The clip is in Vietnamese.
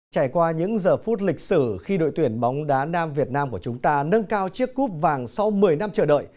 trải qua những giờ phút lịch sử khi đội tuyển bóng đá nam việt nam của chúng ta nâng cao chiếc cúp vàng sau một mươi năm chờ đợi